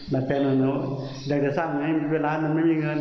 เราดัดแปรงหน่อยนู้คทีนี้จะจะสร้างให้มีเวลานั้นไม่มีเงิน